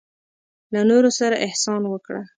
له نورو سره احسان وکړه.